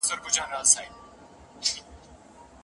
ميرمن به د چا امرمنونکې وي؟